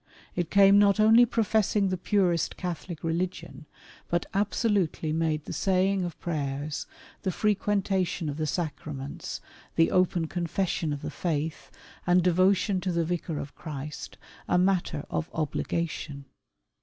It came not only professing the purest Catholic religion, but abso lutely made the saying of prayers, the frequentation of the sacraments, the open confession of the Faith, and devotion to the Vicar of Christ, a matter of obligation.